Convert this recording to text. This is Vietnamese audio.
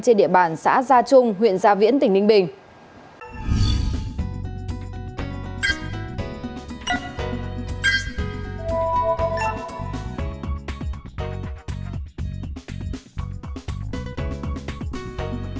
trên địa bàn xã gia trung huyện gia viễn tỉnh ninh bình